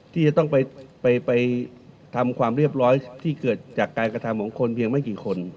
ที่จะต้องไปทำความเรียบร้อยที่เกิดจากการกระทำของคนเพียงไม่กี่คน